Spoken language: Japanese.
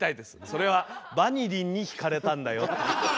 「それはバニリンに引かれたんだよ」。